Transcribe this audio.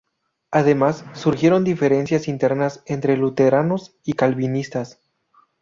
Además, surgieron diferencias internas entre luteranos y calvinistas.